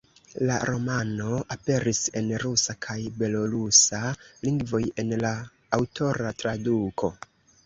La romano aperis en rusa kaj belorusa lingvoj en la aŭtora traduko.